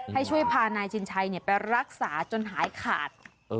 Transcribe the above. ให้ช่วยพานายชินชัยไปรักษาจนหายขาด